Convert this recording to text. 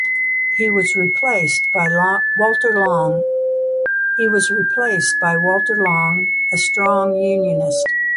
He was replaced by Walter Long, a strong unionist.